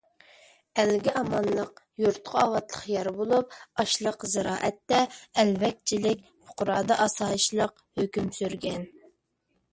ئەلگە ئامانلىق، يۇرتقا ئاۋاتلىق يار بولۇپ، ئاشلىق - زىرائەتتە ئەلۋەكچىلىك، پۇقرادا ئاسايىشلىق ھۆكۈم سۈرگەن.